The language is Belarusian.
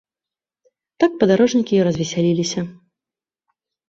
Так падарожнікі й развесяліліся!